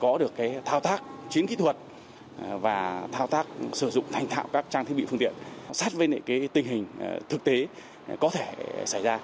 có được thao tác chín kỹ thuật và thao tác sử dụng thành thạo các trang thiết bị phương tiện sát với tình hình thực tế có thể xảy ra